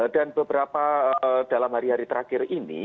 dan beberapa dalam hari hari terakhir ini